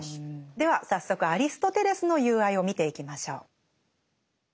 では早速アリストテレスの「友愛」を見ていきましょう。